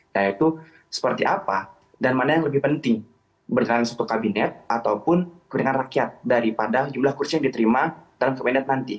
yaitu seperti apa dan mana yang lebih penting berkaitan satu kabinet ataupun kepentingan rakyat daripada jumlah kursi yang diterima dalam kabinet nanti